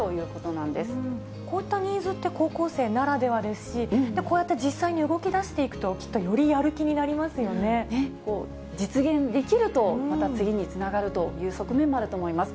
こういったニーズって、高校生ならではですし、こうやって実際に動き出していくと、実現できると、また次につながるという側面もあると思います。